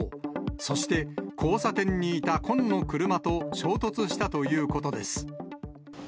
そして交差点にいた紺の車と衝突したということです。